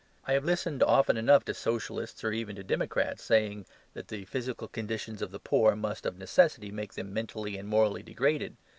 I have listened often enough to Socialists, or even to democrats, saying that the physical conditions of the poor must of necessity make them mentally and morally degraded.